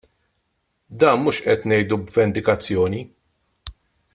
Dan mhux qed ngħidu b'vendikazzjoni.